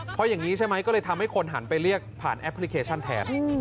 เพราะอย่างนี้ใช่ไหมก็เลยทำให้คนหันไปเรียกผ่านแอปพลิเคชันแทน